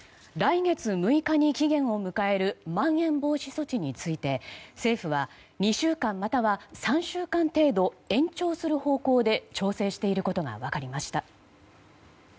来月６日に期限を迎えるまん延防止措置について政府は２週間または３週間程度延長する方向で調整していることが分かりました。